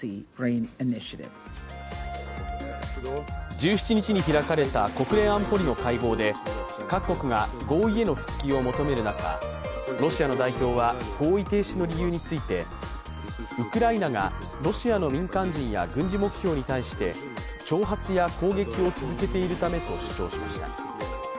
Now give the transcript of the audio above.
１７日に開かれた国連安保理の会合で、各国が合意への復帰を求める中、ロシアの代表は合意停止の理由について、ウクライナがロシアの民間人や軍事目標に対して挑発や攻撃を続けているためと主張しました。